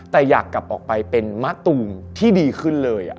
แต่อยากกลับออกไปเป็นมะตูมที่ดีขึ้นเลย